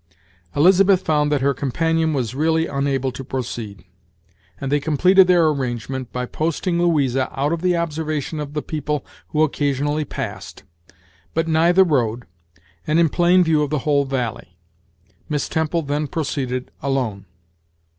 Elizabeth found that her companion was really unable to proceed, and they completed their arrangement by posting Louisa out of the observation of the people who occasionally passed, but nigh the road, and in plain view of the whole valley. Miss Temple then proceeded alone.